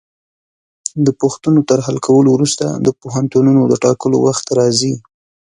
د پوښتنو تر حل کولو وروسته د پوهنتونونو د ټاکلو وخت راځي.